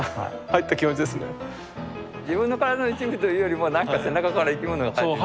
自分の身体の一部というよりも何か背中から生き物が生えてる。